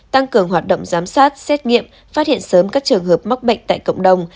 tăng cường hoạt động giám sát xét nghiệm phát hiện sớm các trường hợp mắc bệnh tại cộng đồng